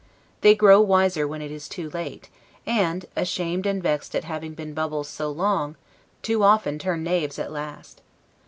They grow wiser when it is too late; and, ashamed and vexed at having been bubbles so long, too often turn knaves at last.